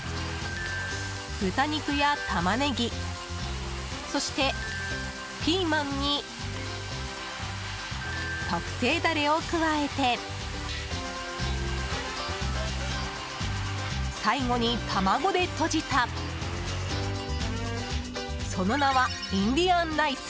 豚肉やタマネギそしてピーマンに特製ダレを加えて最後に卵でとじたその名はインディアンライス。